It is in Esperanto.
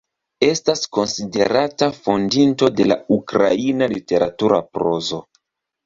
Estas konsiderata fondinto de la ukraina literatura prozo.